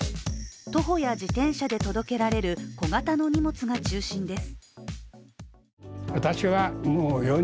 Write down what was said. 徒歩や自転車で届けられる小型の荷物が中心です。